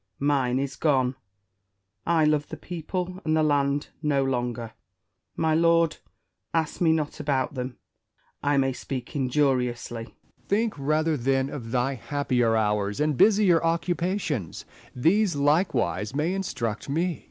Mine is gone : I love the people and the land no longer. My lord, ask me not about them : I may speak injuriously. Essex. Think rather, then, of thy happier hours and busier occupations ; these likewise may instruct me. Spenser.